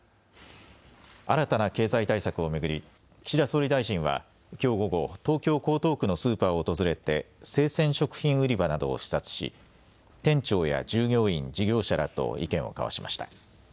新たな経済対策を巡り岸田総理大臣はきょう午後、東京江東区のスーパーを訪れて生鮮食品売り場などを視察し店長や従業員、事業者らと意見を交わしました。